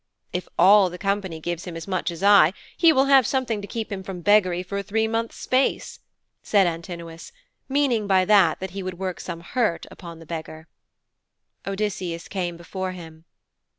'If all the company gives him as much as I, he will have something to keep him from beggary for a three months' space,' said Antinous, meaning by that that he would work some hurt upon the beggar. Odysseus came before him.